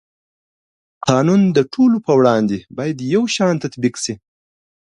قانون د ټولو په وړاندې باید یو شان تطبیق شي.